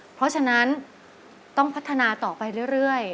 เพราะฉะนั้นต้องพัฒนาต่อไปเรื่อย